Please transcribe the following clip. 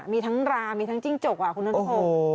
มีทั้งรามีทั้งจิ้งจกคุณนั้นโอ้โฮ